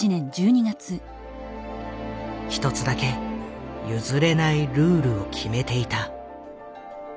一つだけ譲れないルールを決めていた。